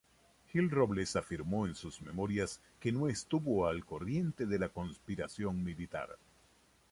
Gil-Robles afirmó en sus memorias que no estuvo al corriente de la conspiración militar.